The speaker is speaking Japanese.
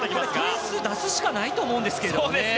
点数出すしかないと思うんですけどね。